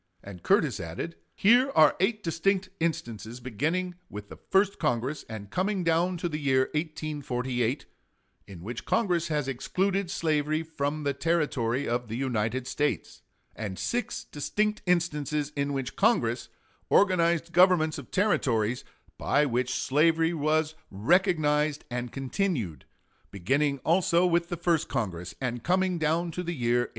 And Curtis added: "Here are eight distinct instances, beginning with the first Congress, and coming down to the year 1848, in which Congress has excluded slavery from the territory of the United States; and six distinct instances in which Congress organized governments of Territories by which slavery was recognized and continued, beginning also with the first Congress, and coming down to the year 1822.